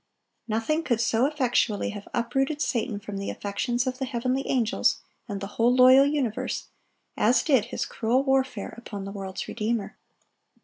Nothing could so effectually have uprooted Satan from the affections of the heavenly angels and the whole loyal universe, as did his cruel warfare upon the world's Redeemer.